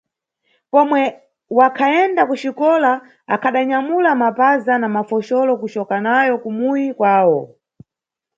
Pomwe wakhayenda kuxikola akhadanyamula mapaza na mafoxolo kucoka nayo kumuyi kwawo.